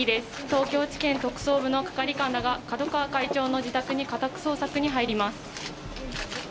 東京地検特捜部の係官らが角川会長の自宅に家宅捜索に入ります。